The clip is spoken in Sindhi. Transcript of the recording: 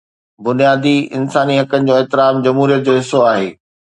بنيادي انساني حقن جو احترام جمهوريت جو حصو آهي.